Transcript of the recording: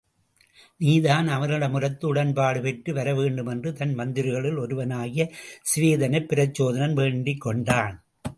நீதான் இதை அவனிடமுரைத்து உடன்பாடு பெற்று வரவேண்டும் என்று தன் மந்திரிகளுள் ஒருவனாகிய சிவேதனைப் பிரச்சோதனன் வேண்டிக் கொண்டான்.